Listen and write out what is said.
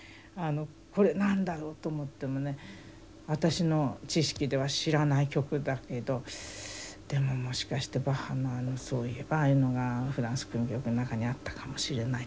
「これ何だろう？」と思ってもね私の知識では知らない曲だけど「でももしかしてバッハのあのそういえばああいうのが『フランス組曲』の中にあったかもしれない」とかね。